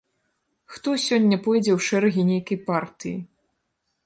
Хто сёння пойдзе ў шэрагі нейкай партыі?